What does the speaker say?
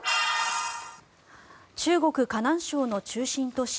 中国・河南省の中心都市